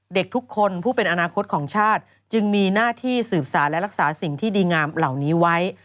เด็กทุกคนผู้เป็นอนาคตของชาติจึงมีหน้าที่สืบสารและรักษาสิ่งที่ดีงามเหล่านี้ไว้